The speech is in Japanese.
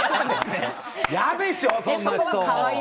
嫌でしょう？